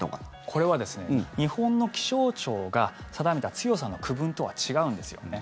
これは日本の気象庁が定めた強さの区分とは違うんですよね。